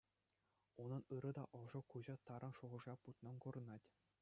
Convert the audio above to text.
Унӑн ырӑ та ӑшӑ куҫӗ тарӑн шухӑша путнӑн курӑнать.